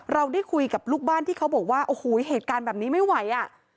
เราได้คุยกับลูกบ้านที่เขาบอกว่าโอ้โหเหตุการณ์แบบนี้ไม่ไหวอ่ะ